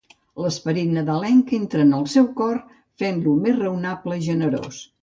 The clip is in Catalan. L'esperit nadalenc entra en el seu cor fent-lo més raonable i generós.